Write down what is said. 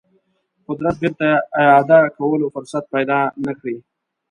قدرت بیرته اعاده کولو فرصت پیدا نه کړي.